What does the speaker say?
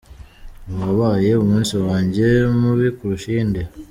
Uwo wabaye umunsi wanjye mubi kurusha iyindi.